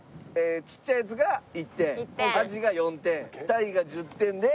ちっちゃいやつが１点アジが４点タイが１０点で。